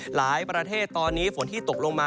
หลายประเทศตอนนี้ฝนที่ตกลงมา